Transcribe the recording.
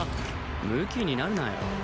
ムキになるなよ。